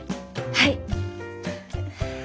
はい。